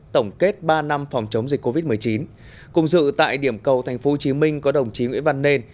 tổng kết ba năm phòng chống dịch covid một mươi chín cùng dự tại điểm cầu tp hcm có đồng chí nguyễn văn nên